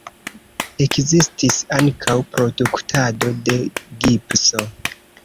Ekzistis ankaŭ produktado de gipso.